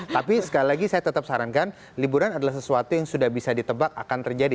tapi sekali lagi saya tetap sarankan liburan adalah sesuatu yang sudah bisa ditebak akan terjadi